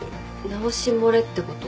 直し漏れってこと？